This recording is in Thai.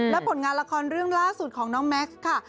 และผลงานละครเรื่องล่าสุดของน้องแม็กซ์ค่ะ